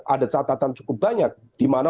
ada catatan cukup banyak di mana